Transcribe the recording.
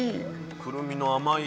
くるみの甘い。